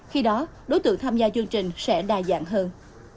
khi đó đối tượng tham gia chương trình sẽ đa dạng hơn